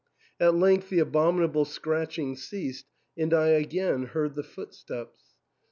At length the abominable scratching ceased, and I again heard the footsteps.